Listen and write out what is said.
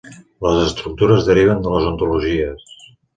Les estructures deriven de les ontologies.